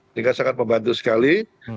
sehingga sangat membantu sekali